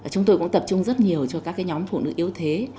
chúng tôi cũng tập trung rất nhiều cho các nhóm phụ nữ yếu thế